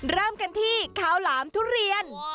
เริ่มกันที่ข้าวหลามทุเรียน